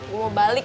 gue mau balik